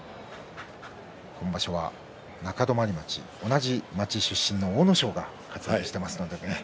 今場所は中泊町、同じ町出身の阿武咲が活躍しています。